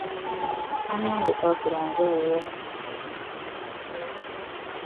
Munnange saasira nze wuwo.